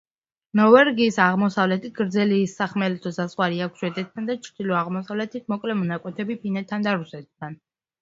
ნორვეგიას აღმოსავლეთით გრძელი სახმელეთო საზღვარი აქვს შვედეთთან და ჩრდილო-აღმოსავლეთით მოკლე მონაკვეთები ფინეთთან და რუსეთთან.